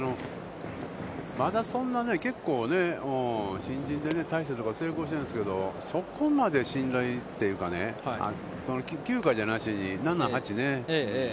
まだそんなに、結構新人でね、大勢とか成功してるんですけど、そこまで信頼というかね、９回じゃなしに、８ね。